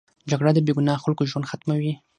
جګړه د بې ګناه خلکو ژوند ختموي